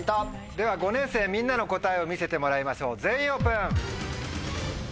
では５年生みんなの答えを見せてもらいましょう全員オープン！